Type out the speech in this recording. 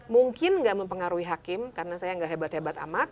mungkin nggak mempengaruhi hakim karena saya nggak hebat hebat amat